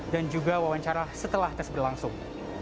dan juga wawancara setelah tes berlangsung